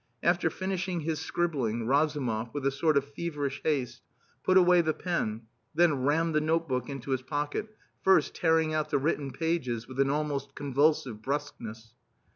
After finishing his scribbling, Razumov, with a sort of feverish haste, put away the pen, then rammed the notebook into his pocket, first tearing out the written pages with an almost convulsive brusqueness.